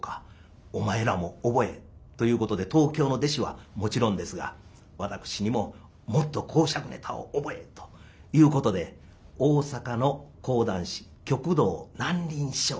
「お前らも覚え」ということで東京の弟子はもちろんですが私にも「もっと講釈ネタを覚え」ということで大阪の講談師旭堂南鱗師匠に先生って言わなくてはいけないんですね